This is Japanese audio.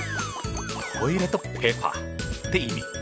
トイレットペーパーって意味！